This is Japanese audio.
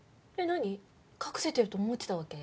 何？隠せてると思ってたわけ？